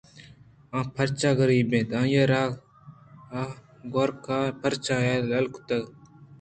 آ پرچا غریب اِنت؟ آئی ءَ را گراکاں پرچہ یل کُتگ